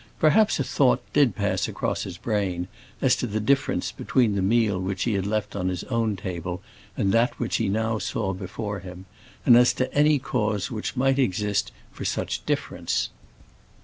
Perhaps a thought did pass across his brain, as to the difference between the meal which he had left on his own table, and that which he now saw before him; and as to any cause which might exist for such difference.